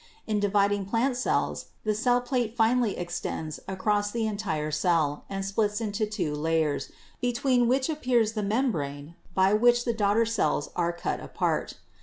In dividing plant cells the cell plate finally extends across the entire cell and splits into two layers, between which appears the membrane by which the daughter cells are cut apart.